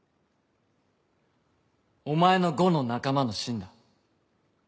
お前の伍の仲間の信だ。